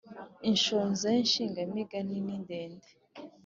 Inshoza y’insigamigani ni ndende